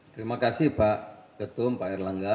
terima kasih pak ketum pak erlangga